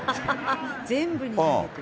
全部に投げてる。